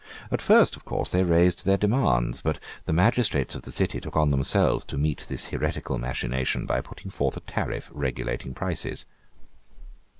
At first, of course, they raised their demands: but the magistrates of the city took on themselves to meet this heretical machination by putting forth a tariff regulating prices.